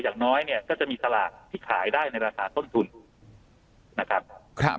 อย่างน้อยเนี่ยก็จะมีสลากที่ขายได้ในราคาต้นทุนนะครับ